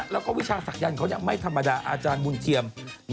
แล้วก็วิชาศักยันต์เขาไม่ธรรมดาอาจารย์บุญเทียม